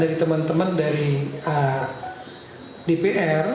dari teman teman dari dpr